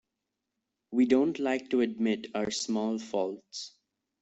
We don't like to admit our small faults.